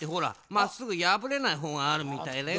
まっすぐやぶれないほうがあるみたいだよ。